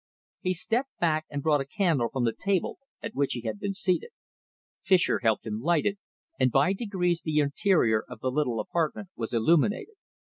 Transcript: He stepped back, and brought a candle from the table at which he had been seated. Fischer helped him light it, and by degrees the interior of the little apartment was illuminated.